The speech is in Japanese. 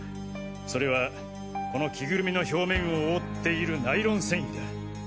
それはこの着ぐるみの表面を覆っているナイロン繊維だ。